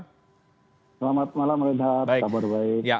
selamat malam rizal